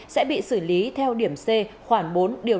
sẽ bị xử lý theo điểm c khoảng bốn điều